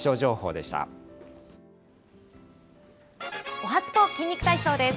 おはＳＰＯ筋肉体操です。